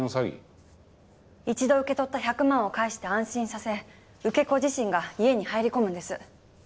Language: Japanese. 一度受け取った１００万を返して安心させ受け子自身が家に入り込むんです。